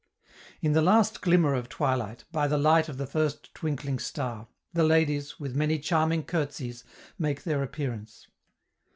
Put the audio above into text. In the last glimmer of twilight, by the light of the first twinkling star, the ladies, with many charming curtseys, make their appearance.